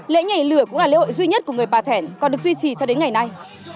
lễ nhảy lửa cũng là lễ hội duy nhất của người bà thẻn còn được duy trì cho đến ngày nay